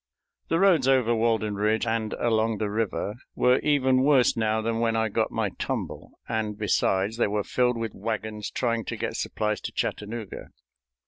The roads over Walden Ridge and along the river were even worse now than when I got my tumble, and, besides, they were filled with wagons trying to get supplies to Chattanooga.